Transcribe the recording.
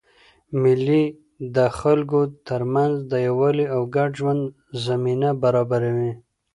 مېلې د خلکو ترمنځ د یووالي او ګډ ژوند زمینه برابروي.